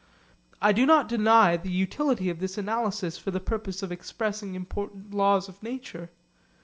I do not deny the utility of this analysis for the purpose of expressing important laws of nature.